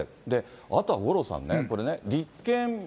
で、あとは五郎さんね、これね、りっけん